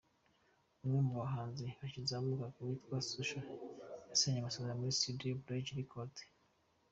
Umwe mu bahanzi bakizamuka witwa Social, yasinye amasezerano muri Studio ya Bridge Records.